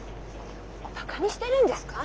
バカにしてるんですか？